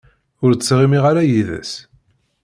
Ur ttɣimiɣ ara yid-s.